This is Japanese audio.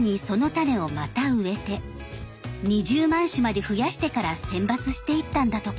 ２０万種まで増やしてから選抜していったんだとか。